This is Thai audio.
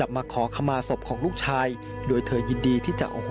แม่ก็ไม่อยากเป็นทุกข์